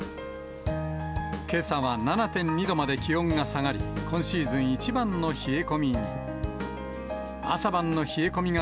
けさは７．２度まで気温が下がり、今シーズン一番の冷え込みに。